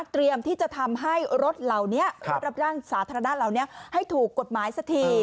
เตรียมที่จะทำให้รถรับจ้างสาธารณะให้ถูกกฎหมายสักที